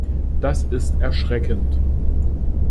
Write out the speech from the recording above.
Das ist erschreckend!